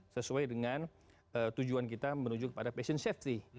sesuai dengan tujuan kita menuju ke patient safety